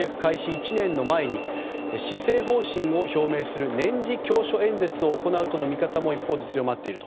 １年の前に施政方針を表明する年次教書演説を行うとの見方も一方で強まっていると。